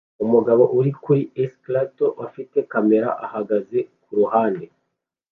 Umugabo uri kuri escalator afite kamera ahagaze kuruhande